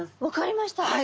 分かりました。